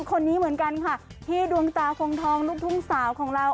คนนี้เหมือนกันค่ะพี่ดวงตาคงทองลูกทุ่งสาวของเรา